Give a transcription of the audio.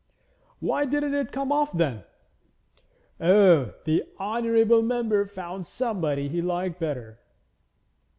'Why didn't it come off, then?' 'Oh, the honourable member found somebody he liked better.'